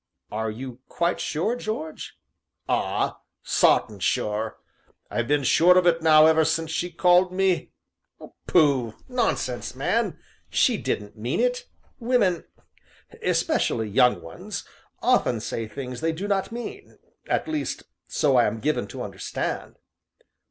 "Are you quite sure, George?" "Ah! sartin sure. I've been sure of it now ever since she called me " "Pooh, nonsense, man! she didn't mean it women especially young ones often say things they do not mean at least, so I am given to understand."